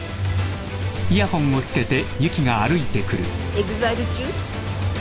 ＥＸＩＬＥ中？